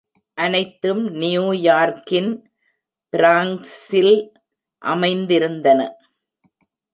அனைத்தும் நியூயார்க்கின் பிராங்ஸ்சில் அமைந்திருந்தன.